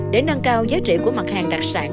để nâng cao giá trị của mặt hàng đặc sản